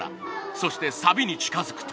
そしてサビに近づくと。